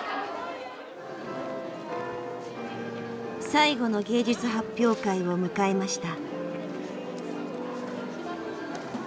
最後の芸術発表会を迎えました。